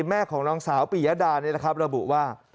แม่ของน้องสาวปิยดานะครับระบุว่า